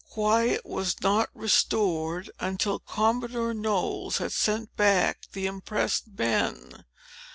Quiet was not restored, until Commodore Knowles had sent back the impressed men.